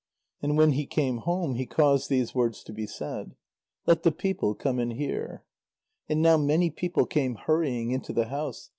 And when he came home, he caused these words to be said: "Let the people come and hear." And now many people came hurrying into the house.